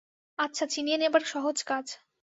আচ্ছা, ছিনিয়ে নেবার সহজ কাজ।